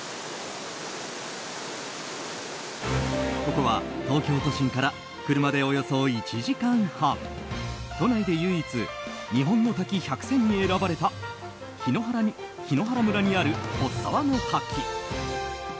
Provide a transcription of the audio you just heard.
ここは東京都心から車でおよそ１時間半都内で唯一「日本の滝百選」に選ばれた檜原村にある滝。